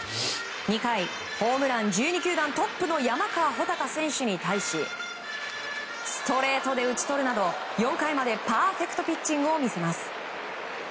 ２回、ホームラン１２球団トップの山川穂高選手に対しストレートで打ち取るなど４回までパーフェクトピッチングを見せます。